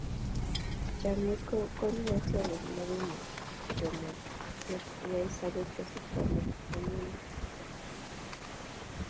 Chomnyet ko konunotyot ne makimuch kemwa ne yoe sobeet kosich komonutiet.